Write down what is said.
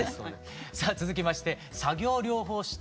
さあ続きまして作業療法士